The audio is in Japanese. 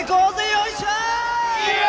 よいしょ！